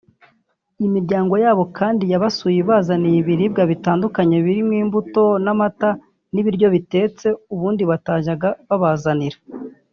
Imiryango yabo kandi yabasuye ibazanira ibiribwa bitandukanye birimo imbuto n’amata n’ibiryo bitetse ubundi batajyaba babazanira